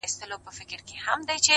دا زه څومره بېخبره وم له خدایه!.